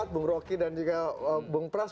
bung roky dan juga bung pras